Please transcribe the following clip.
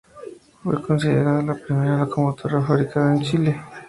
Fue considerada la primera locomotora fabricada en Chile.